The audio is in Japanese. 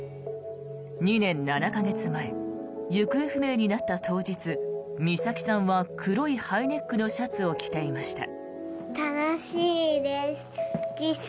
２年７か月前行方不明になった当日美咲さんは黒いハイネックのシャツを着ていました。